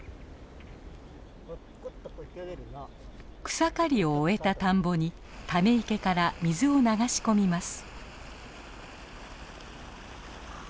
草刈りを終えた田んぼにため池から水を流し込みます。